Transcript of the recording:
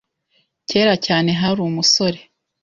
Kera cyane, hari umusore.